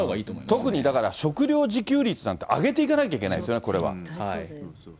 特に食料自給率なんて上げていかなきゃいけないですよね、これは。